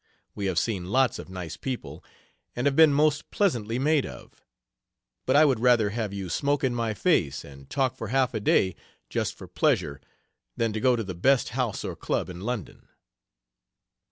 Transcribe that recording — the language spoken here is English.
We have seen lots of nice people and have been most pleasantly made of; but I would rather have you smoke in my face, and talk for half a day just for pleasure, than to go to the best house or club in London."